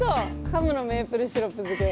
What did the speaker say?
ハムのメープルシロップ漬け。